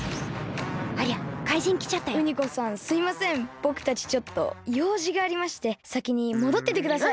ぼくたちちょっとようじがありましてさきにもどっててください。